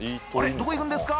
どこ行くんですか？